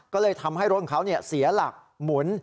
ก็เลยทำให้รถเขาเสียหลักหมุน